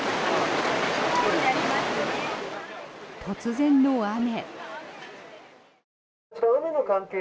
突然の雨。